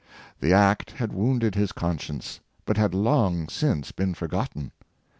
The act had wounded his conscience, but had long since been forgotten.